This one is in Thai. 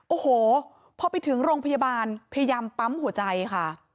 โอ้โหพอไปถึงโรงพยาบาลพยายามปั๊มหัวใจค่ะ